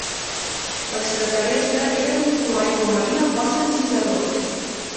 L'extraterrestre era d'un color aiguamarina força encisador.